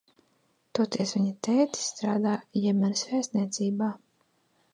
Toties viņa tētis strādā Jemenas vēstniecībā.